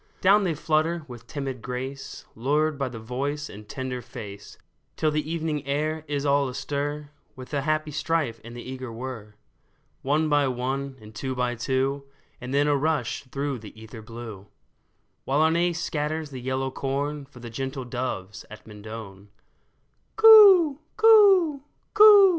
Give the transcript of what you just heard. Down they flutter with timid grace, Lured by the voice and the tender face, Till the evening air is all astir With the happy strife and the eager whir. One by one, and two by two, And then a rush through the ether blue ; While Arne scatters the yellow corn For the gentle doves at Mendon. '* Coo ! coo ! coo